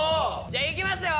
じゃあいきますよ。